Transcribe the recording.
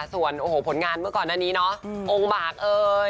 ส่วนโอ้โหผลงานเมื่อก่อนอันนี้เนาะองค์บากเอ้ย